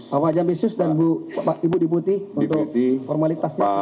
pak jampi jus dan pak ibu deputi untuk formalitasnya